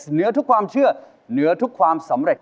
เหนือทุกความเชื่อเหนือทุกความสำเร็จ